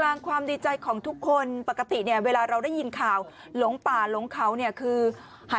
แล้วน้องป่วยเป็นเด็กออทิสติกของโรงเรียนศูนย์การเรียนรู้พอดีจังหวัดเชียงใหม่นะคะ